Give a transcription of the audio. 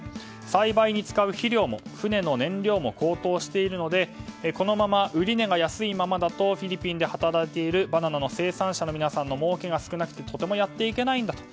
栽培に使う肥料も船の燃料も高騰しているのでこのまま売値が安いままだとフィリピンで働いているバナナの生産者の皆さんのもうけが少なくとてもやっていけないんだと。